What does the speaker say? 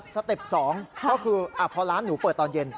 สเต็ป๒ก็คือพอร้านหนูเปิดตอนเย็น